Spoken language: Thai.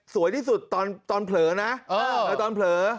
ที่สุดตอนเผลอนะตอนเผลอ